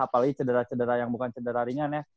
apalagi sederah sederah yang bukan sederah ringan ya